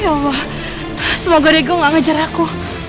ya allah semoga diego nggak ngejar aku